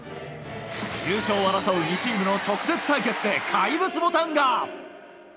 優勝を争う２チームの直接対決で怪物ボタンが。